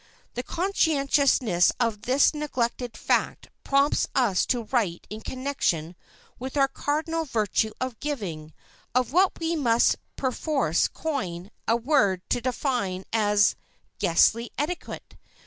The consciousness of this neglected fact prompts us to write in connection with our cardinal virtue of giving, of what we must perforce coin a word to define as "Guestly Etiquette."